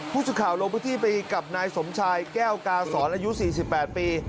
ผู้ช่วยข่าวโรคพิธีปีกับนายสมชายแก้วกาศรอายุ๔๘ปี